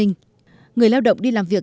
ngoài ra người lao động đi làm việc